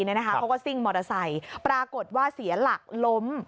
เขาก็ซิ่งมอเตอร์ไซค์ปรากฏว่าเสียหลักล้ม